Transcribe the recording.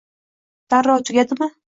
Darrov tugadimi